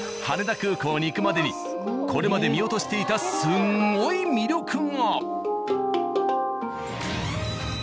羽田空港に行くまでにこれまで見落としていたスンゴイ魅力が！